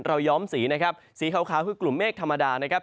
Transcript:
ย้อมสีนะครับสีขาวคือกลุ่มเมฆธรรมดานะครับ